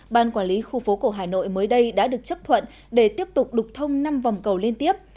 ban quản lý khu phố cổ hà nội mới đây đã được chấp thuận để tiếp tục đục thông năm vòng cầu liên tiếp